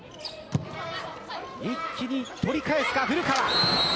一気に取り返すか古川。